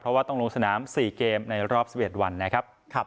เพราะว่าต้องลงสนาม๔เกมในรอบ๑๑วันนะครับ